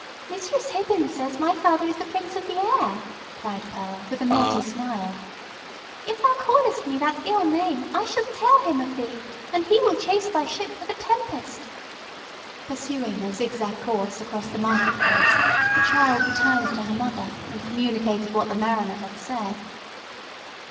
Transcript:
"Mistress Hibbins says my father is the Prince of the Air!" cried Pearl, with a naughty smile. "If thou callest me that ill name, I shall tell him of thee, and he will chase thy ship with a tempest!" Pursuing a zigzag course across the market place, the child returned to her mother, and communicated what the mariner had said.